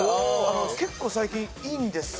結構最近いいんですよ。